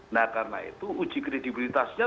nah karena itu uji kredibilitasnya